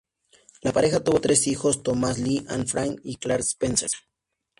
La pareja tuvo tres hijos: Thomas Lee, Ann Frances, y Clark Spencer.